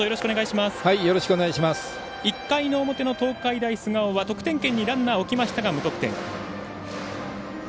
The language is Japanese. １回の表の東海大菅生は得点圏にランナーを置きましたが無得点。